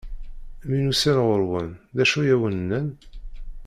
Mi n-usan ɣur-wen, d acu i awen-nnan?